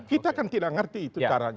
kita kan tidak mengerti itu caranya